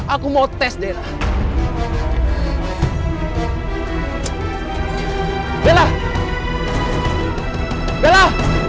aku mau tes dna bella bella